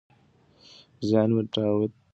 زیات ویټامین هم ستونزه نه حلوي.